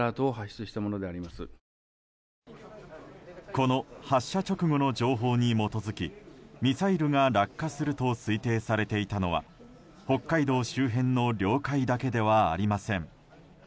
この発射直後の情報に基づきミサイルが落下すると推定されていたのは北海道周辺の領海だけではありません。